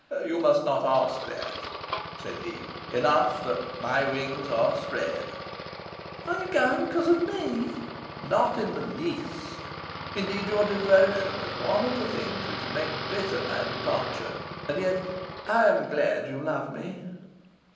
"You must not ask that," said he. "Enough that my wings are spread." "Are you going because of ME?" "Not in the least. Indeed, your devotion is one of the things which make bitter my departure. And yet I am glad you love me."